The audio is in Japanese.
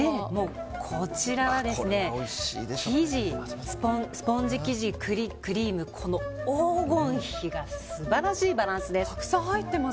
こちらはスポンジ生地、栗、クリームの黄金比が素晴らしいバランスです。